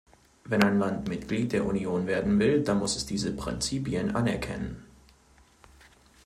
Wenn ein Land Mitglied der Union werden will, dann muss es diese Prinzipien anerkennen.